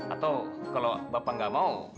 atau kalau bapak nggak mau